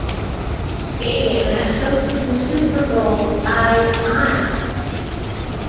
The stadium has hosted the Super Bowl five times.